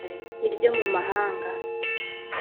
iryo mu mahanga